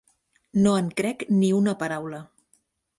No en crec ni una paraula.